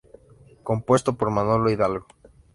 Compuesto por Manolo Hidalgo.